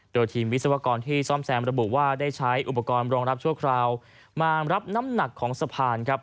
โดยทีมวิศวกรที่ซ่อมแซมระบุว่าได้ใช้อุปกรณ์รองรับชั่วคราวมารับน้ำหนักของสะพานครับ